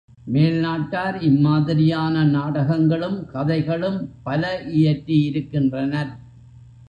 மேல்நாட்டார் இம் மாதிரியான நாடகங்களும் கதைகளும் பல இயற்றி இருக்கின்றனர்.